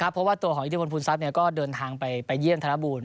เพราะว่าตัวของอิทธิพลภูมิทรัพย์ก็เดินทางไปเยี่ยมธนบูรณ